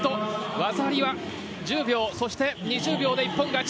技ありは１０秒そして、２０秒で一本勝ち。